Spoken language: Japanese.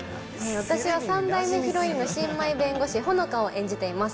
私は３代目ヒロインの新米弁護士、穂乃果を演じています。